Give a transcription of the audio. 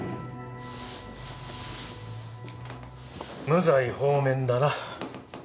無罪放免だな。